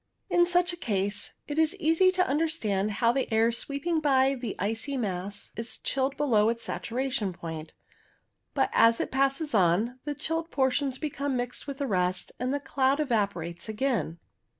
In such a case it is easy to understand how the air sweeping by the icy mass is chilled below its saturation point ; but as it passes on, the chilled portions become N go CUMULUS mixed with the rest, and the cloud evaporates again.